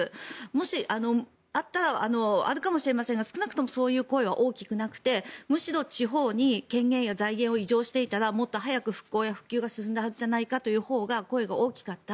もし、あったらあるかもしれませんが少なくともそういう声は大きくなくて、むしろ地方に権限や財源を移譲していたらもっと早く復興や復旧が進んだはずじゃないかという声が大きかった。